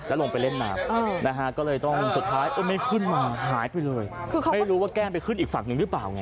แล้วลงไปเล่นน้ำนะฮะก็เลยต้องสุดท้ายไม่ขึ้นมาหายไปเลยไม่รู้ว่าแก้มไปขึ้นอีกฝั่งหนึ่งหรือเปล่าไง